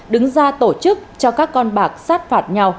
đứng ra tổ chức cho các con bạc sát phạt nhau